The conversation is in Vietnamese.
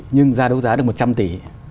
nhưng ra đấu giá được một trăm linh tỷ